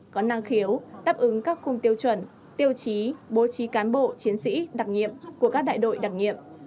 có năng khiếu đáp ứng các khung tiêu chuẩn tiêu chí bố trí cán bộ chiến sĩ đặc nhiệm của các đại đội đặc nhiệm